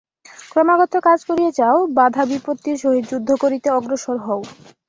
ক্রমাগত কাজ করিয়া যাও, বাধা-বিপত্তির সহিত যুদ্ধ করিতে অগ্রসর হও।